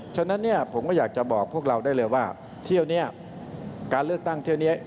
ฉะนั้นเนี่ยผมก็อยากจะบอกพวกเราได้เลยว่าเที่ยวนี้การเลือกตั้งเที่ยวนี้